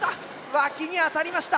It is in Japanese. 脇に当たりました。